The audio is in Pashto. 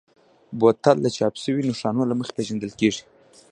بوتل د چاپ شویو نښانونو له مخې پېژندل کېږي.